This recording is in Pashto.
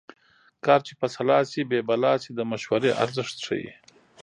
کار چې په سلا شي بې بلا شي د مشورې ارزښت ښيي